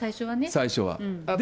最初は。